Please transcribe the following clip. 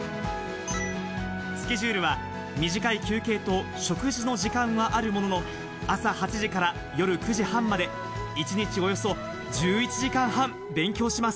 スケジュールは短い休憩と食事の時間はあるものの、朝８時から夜９時半まで、一日およそ１１時間半、勉強します。